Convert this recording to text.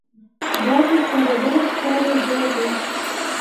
داسې ښکارېدله چې کار یې جوړ دی.